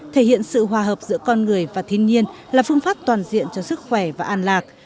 thể hiện sự hòa hợp giữa con người và thiên nhiên là phương pháp toàn diện cho sức khỏe và an lạc